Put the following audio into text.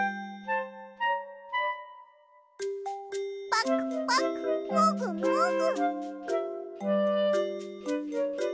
ぱくぱくもぐもぐ。